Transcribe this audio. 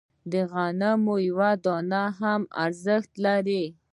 د غنمو یوه دانه هم ارزښت لري.